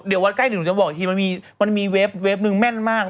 เดี๋ยววัดใกล้เดี๋ยวหนูจะบอกอีกทีมันมีเว็บนึงแม่นมาก